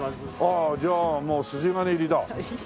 ああじゃあもう筋金入りだ。